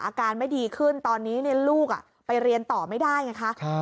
อาการไม่ดีขึ้นตอนนี้ลูกไปเรียนต่อไม่ได้ไงคะ